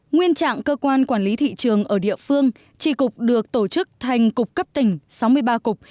nguyên trạng cơ quan quản lý thị trường ở địa phương tri cục được tổ chức thành cục cấp tỉnh sáu mươi ba cục